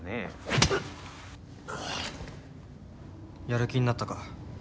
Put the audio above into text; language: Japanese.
やる気になったか？